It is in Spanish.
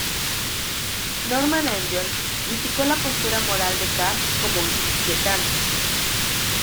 Norman Angell criticó la postura moral de Carr como "inquietante".